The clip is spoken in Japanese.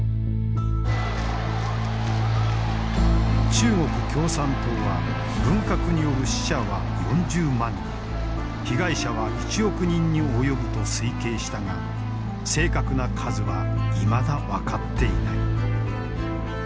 中国共産党は文革による死者は４０万人被害者は１億人に及ぶと推計したが正確な数はいまだ分かっていない。